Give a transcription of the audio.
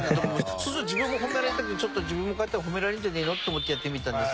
そしたら自分も褒められたくて自分もこうやったら褒められるんじゃねえの？と思ってやってみたんですね。